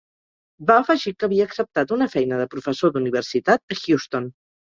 Va afegir que havia acceptat una feina de professor d'universitat a Houston.